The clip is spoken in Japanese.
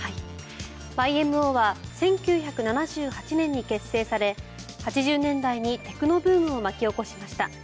ＹＭＯは１９７８年に結成され８０年代にテクノブームを巻き起こしました。